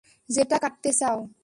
যেটা কাটতে চাও।